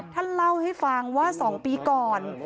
ท่านเล่าให้ฟังว่า๒ปีก่อน